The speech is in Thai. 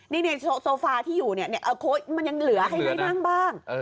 นี่โซฟาที่อยู่นี่มันยังเหลือให้นายนั่งบ้าง